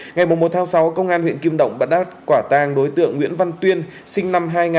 ngày một một tháng sáu công an huyện kim động đã bắt giữ đối tượng nguyễn văn tuyên sinh năm hai nghìn